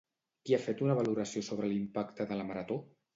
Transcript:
Qui ha fet una valoració sobre l'impacte de la Marató?